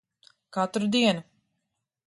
Katru dienu.